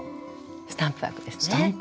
スタンプワークですね。